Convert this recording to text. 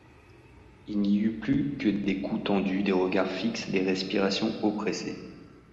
Il n'y eut plus que des cous tendus, des regards fixes, des respirations oppressées.